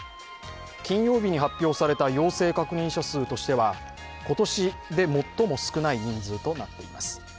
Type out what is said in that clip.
金曜日に発表された陽性確認者数としては今年最も少ない人数になっています。